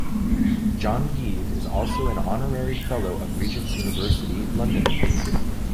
John Gieve is also an Honorary Fellow of Regent's University London.